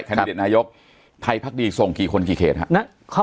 แนเดตนายกไทยพักดีส่งกี่คนกี่เขตครับ